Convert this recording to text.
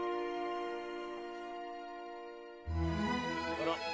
あら！